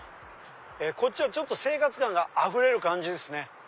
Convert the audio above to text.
こっちは生活感があふれる感じですね。